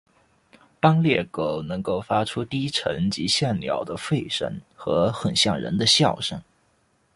斑鬣狗能够发出低沉及像鸟的吠声和很像人的笑声。